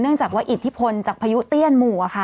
จากว่าอิทธิพลจากพายุเตี้ยนหมู่ค่ะ